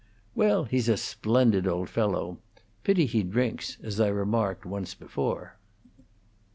Well, he's a splendid old fellow; pity he drinks, as I remarked once before."